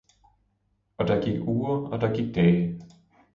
Og der gik uger og der gik dage.